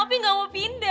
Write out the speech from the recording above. opi gak mau pindah